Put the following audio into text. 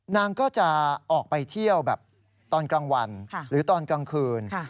นางก็จะออกไปเที่ยวแบบตอนกลางวันหรือตอนกลางคืน